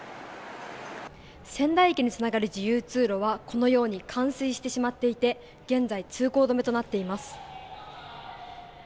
仙台駅につながる自由通路はこのように冠水してしまっていて現在、通行止めとなっています。